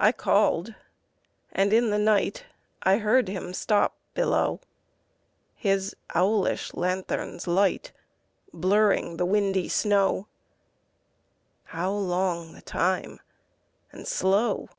I called. And in the night I heard him stop below, His owlish lanthorn's light Blurring the windy snow How long the time and slow!